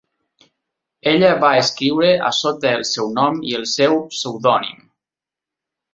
Ella va escriure a sota el seu nom i el seu pseudònim.